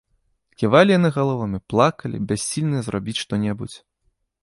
Ківалі яны галовамі, плакалі, бяссільныя зрабіць што-небудзь.